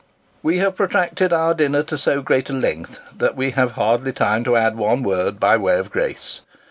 We have protracted our dinner to so great a length, that wo have hardly time to add one word by way of grace.